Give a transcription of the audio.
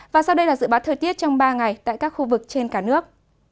và sau đây là dự báo thời tiết trong ba ngày tại các khu vực trên cả nước